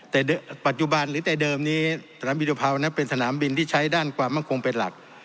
แต่ปัจจุบันหรือแต่เดิมนี้สนามบินตุภาวนั้นเป็นสนามบินที่ใช้ด้านความมั่นคงเป็นหลัก